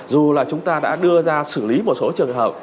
dù là chúng ta đã đưa ra xử lý một số trường hợp